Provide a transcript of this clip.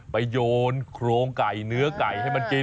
โยนโครงไก่เนื้อไก่ให้มันกิน